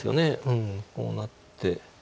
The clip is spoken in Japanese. うんこうなって。